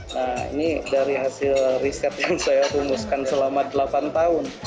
nah ini dari hasil riset yang saya rumuskan selama delapan tahun